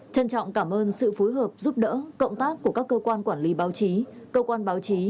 trân trọng cảm ơn sự phối hợp giúp đỡ cộng tác của các cơ quan quản lý báo chí cơ quan báo chí